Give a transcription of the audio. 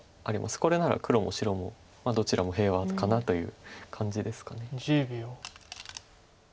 これなら黒も白もどちらも平和かなという感じですか。